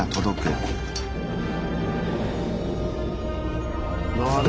ある？